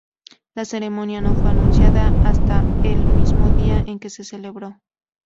La ceremonia no fue anunciada hasta el mismo día en que se celebró.